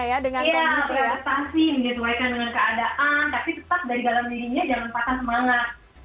iya beradaptasi mendidikkan dengan keadaan tapi tetap dari dalam dirinya dengan patah semangat